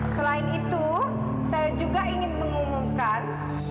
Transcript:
selain itu saya juga ingin mengumumkan